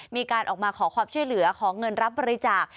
มีการออกมาขอความช่วยเหลือขอเงินรับบริจาค